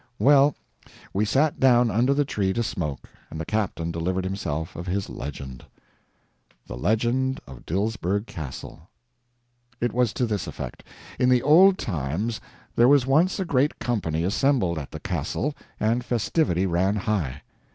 Well, we sat down under the tree to smoke, and the captain delivered himself of his legend: THE LEGEND OF DILSBERG CASTLE It was to this effect. In the old times there was once a great company assembled at the castle, and festivity ran high.